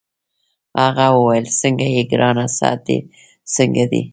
هغه وویل: څنګه يې ګرانه؟ صحت دي څنګه دی؟